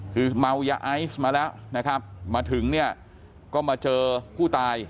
คือเมายาไอซ์มาแล้วมาถึงก็มาเจอผู้ตาย